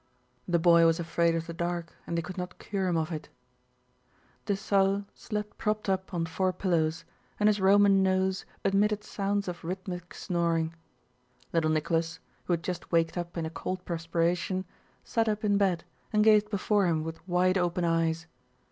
(The boy was afraid of the dark and they could not cure him of it.) Dessalles slept propped up on four pillows and his Roman nose emitted sounds of rhythmic snoring. Little Nicholas, who had just waked up in a cold perspiration, sat up in bed and gazed before him with wide open eyes.